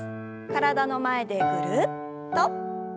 体の前でぐるっと。